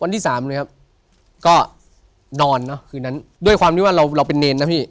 ที่สามเลยครับก็นอนเนอะคืนนั้นด้วยความที่ว่าเราเราเป็นเนรนะพี่